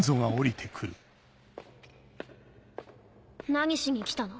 何しに来たの？